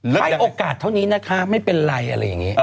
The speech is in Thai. ให้โอกาสเท่านี้นะคะไม่เป็นไรอะไรอย่างนี้